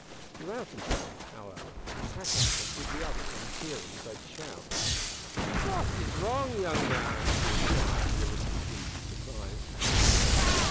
He roused himself, however, and sat up, as did the others, on hearing Fred's shout. "Fat is wrong, yoong man?" he inquired, with a look of sleepy surprise.